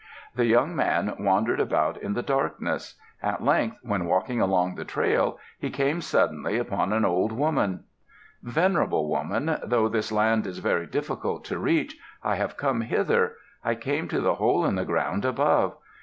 The young man wandered about in the darkness. At length when walking along the trail, he came suddenly upon an old woman. "Venerable woman, though this land is very difficult to reach, I have come hither. I came to the hole in the ground above.